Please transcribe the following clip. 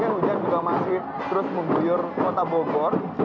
hujan juga masih terus mengguyur kota bogor